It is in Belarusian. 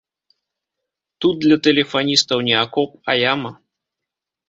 Тут для тэлефаністаў не акоп, а яма.